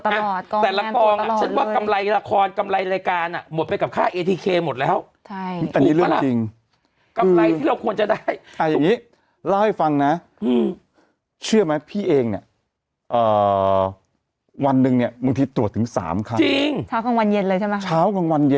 มันก็ช่วยไม่ได้แล้วไงใช่มันใช่ไงมันก็ช่วยไม่ได้แล้วอ่ะวันนี้ทุกงานอ่ะ